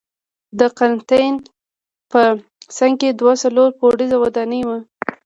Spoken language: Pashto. د قرنتین په څنګ کې دوه څلور پوړیزه ودانۍ وې.